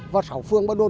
và sảo phương ba đồn